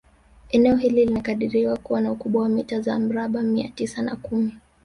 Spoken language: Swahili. Eneo hili linakadiriwa kuwa na ukubwa wa mita za mraba mia tisa na kumi